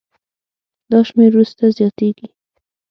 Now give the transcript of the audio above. دا شمېر وروسته زیاتېږي.